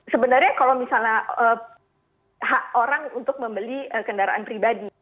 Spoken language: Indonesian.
sebenarnya kalau misalnya hak orang untuk membeli kendaraan pribadi